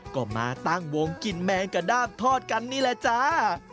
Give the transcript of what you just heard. ก็มาตั้งวงกินแมงกระด้ามทอดกันนี่แหละจ้า